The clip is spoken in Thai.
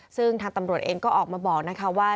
ซึ่งทางตำรวจเองก็ออกมาบอกนะคะว่า